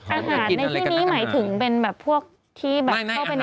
อาหารในที่นี้หมายถึงเป็นแบบพวกที่เข้าไปในซูเปอร์ไหม